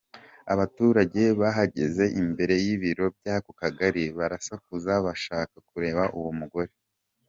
Abaturage bahagaze imbere y’ibiro by’ako kagari, barasakuza, bashaka kureba uwo mugore.